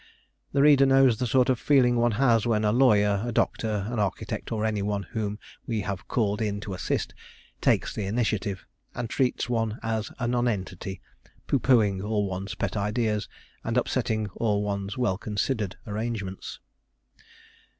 The reader knows the sort of feeling one has when a lawyer, a doctor, an architect, or any one whom we have called in to assist, takes the initiative, and treats one as a nonentity, pooh poohing all one's pet ideas, and upsetting all one's well considered arrangements.